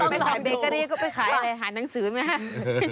ไปถามเบเกอรี่ก็ไปขายอะไรหาหนังสือไหมครับ